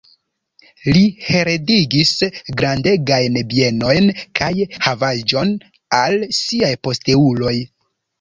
Li heredigis grandegajn bienojn kaj havaĵon al siaj posteuloj.